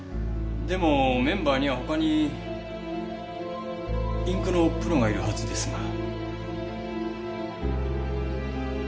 でもメンバーには他にインクのプロがいるはずですが。